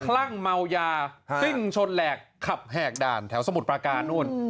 ลั่งเมายาซิ่งชนแหลกขับแหกด่านแถวสมุทรประการนู่น